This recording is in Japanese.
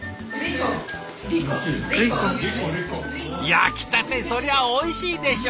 焼きたてそりゃおいしいでしょ！